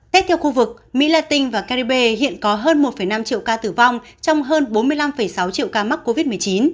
tiếp theo khu vực mỹ latin và caribe hiện có hơn một năm triệu ca tử vong trong hơn bốn mươi năm sáu triệu ca mắc covid một mươi chín